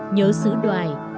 nhớ xứ đoài